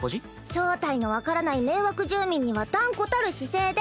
正体の分からない迷惑住民には断固たる姿勢で。